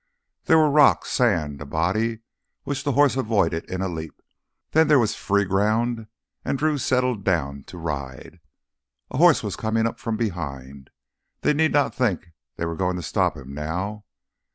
There were rocks, sand, a body which the horse avoided in a leap, then there was free ground and Drew settled down to ride. A horse was coming up from behind—they need not think they were going to stop him now.